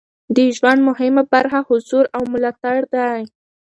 د ژوند مهمه برخه حضور او ملاتړ دی.